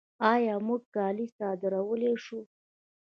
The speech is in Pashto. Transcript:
آیا موږ کالي صادرولی شو؟